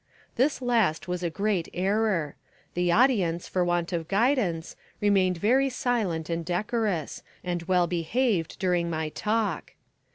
This last was a great error. The audience, for want of guidance, remained very silent and decorous, and well behaved during my talk.